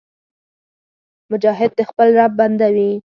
مجاهد د خپل رب بنده وي.